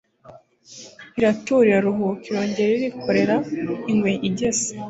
Iratura iraruhuka Irongerairikorera ingwe igeze